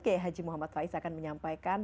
kiai haji muhammad faiz akan menyampaikan